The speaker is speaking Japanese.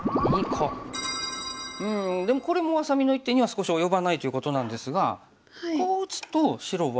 うんでもこれもあさみの一手には少し及ばないということなんですがこう打つと白は。